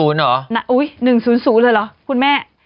๑๐๐เลยหรอคุณแม่